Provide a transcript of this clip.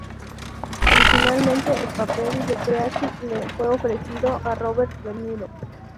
Originalmente el papel de Creasy le fue ofrecido a Robert De Niro.